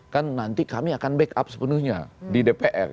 kan nanti kami akan backup sepenuhnya di dpr